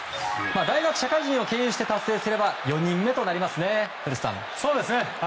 大学、社会人を経由して達成すれば４人目となりますね、古田さん。